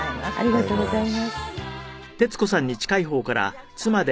ありがとうございます。